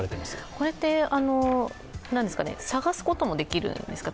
これって、捜すこともできるんですか？